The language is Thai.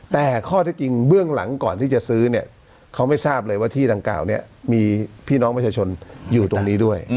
แต่ข้อที่จริงเบื้องหลังก่อนที่จะซื้อเนี่ยเขาไม่ทราบเลยว่าที่ดังกล่าวเนี่ยมีพี่น้องประชาชนอยู่ตรงนี้ด้วย